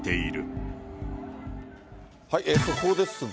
速報ですが。